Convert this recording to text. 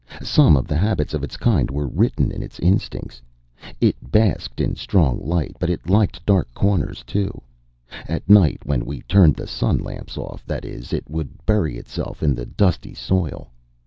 Some of the habits of its kind were written in its instincts. It basked in strong light, but it liked dark corners, too. At night when we turned the sun lamps off, that is it would bury itself in the dusty soil.